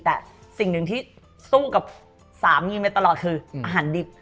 แต่สิ่งหนึ่งที่สู้กับสามีมาตลอดคืออาหารดิบ